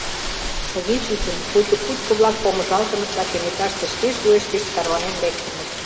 Тыге чучын, пуйто кутко-влак помыжалтыныт да кенеташте шке шуэшт гыч тарванен лектыныт.